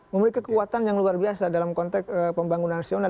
memiliki kekuatan yang luar biasa dalam konteks pembangunan nasional